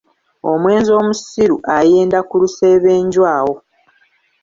Omwenzi omusiru ayenda ku lusebenju awo.